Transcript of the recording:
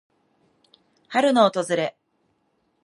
春の訪れ。